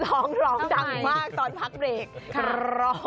หล่องหล่องจังมากตอนพักเบรก